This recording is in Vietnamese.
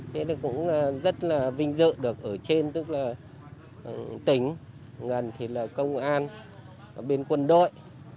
thế thì cũng rất là vinh dự được ở trên tức là tỉnh gần thì là công an bên quân đội